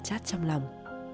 chát trong lòng